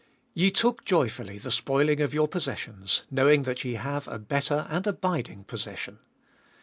Ye took joyfully the spoiling of your possessions, knowing that ye have a better and abiding possession.